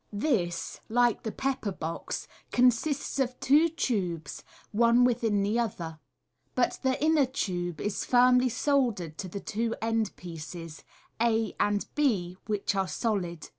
This, like the pepper box, consists of two tubes one within the other ; but the inner tube is firmly soldr red to the two end pieces, a and b, which are solid.